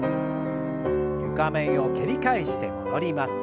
床面を蹴り返して戻ります。